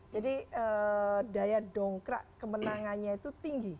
jadi daya dongkrak kemenangannya itu tinggi